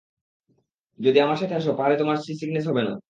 যদি আমার সাথে আসো, পাহাড়ে তোমার সি-সিকনেস হবে না।